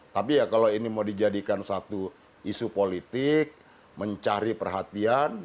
tapi ya kalau ini mau dijadikan satu isu politik mencari perhatian